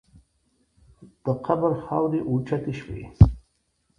د قبر خاورې اوچتې شوې.